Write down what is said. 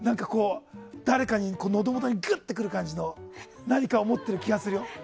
のど元にグッとくる感じの何かを持ってる気がするよ。